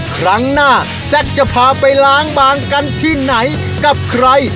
ครั้งหน้าแซ็กจะพาไปล้างบางกันที่ไหนกับใคร